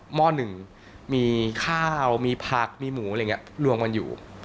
หม้อหนึ่งมีข้าวมีผักมีหมูอะไรอย่างนี้รวมกันอยู่